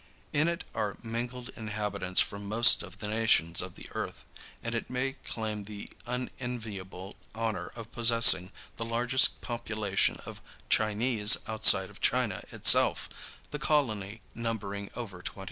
In it are mingled inhabitants from most of the nations of the earth, and it may claim the unenviable honor of possessing the largest population of Chinese outside of China itself, the colony numbering over 20,000.